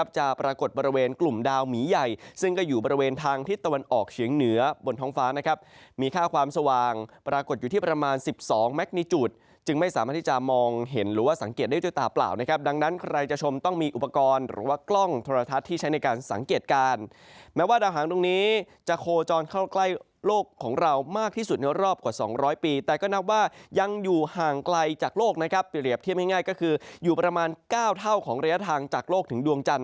จะปรากฏบริเวณกลุ่มดาวหมีใหญ่ซึ่งก็อยู่บริเวณทางทิศตะวันออกเฉียงเหนือบนท้องฟ้านะครับมีค่าความสว่างปรากฏอยู่ที่ประมาณ๑๒แมกนิจูตจึงไม่สามารถที่จะมองเห็นหรือสังเกตได้จุดตาเปล่านะครับดังนั้นใครจะชมต้องมีอุปกรณ์หรือว่ากล้องโทรทัศน์ที่ใช้ในการสังเกตการณ์แม้ว่าดาว